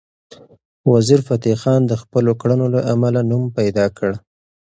وزیرفتح خان د خپلو کړنو له امله نوم پیدا کړ.